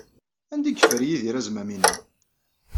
Anda ay yeffer Yidir azmam-inu?